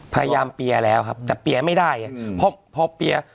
พยายามเปียแล้วครับแต่เปียไม่ได้อืมพอพอเปีย